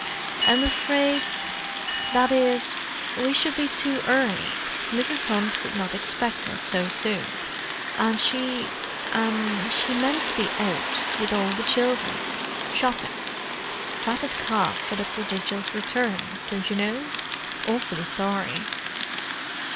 "I'm afraid—that is, we should be too early. Mrs. Hunt would not expect us so soon, and she—er—she meant to be out, with all the children. Shopping. Fatted calf for the prodigal's return, don't you know. Awfully sorry."